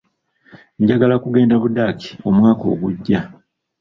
Njagala kugenda Budaaki omwaka ogujja.